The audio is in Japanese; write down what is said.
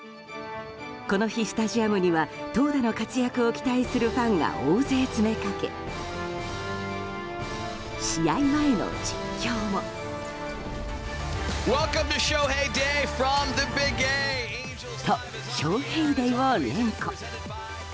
この日、スタジアムには投打の活躍を期待するファンが大勢詰めかけ試合前の実況も。と、ショウヘイデイを連呼。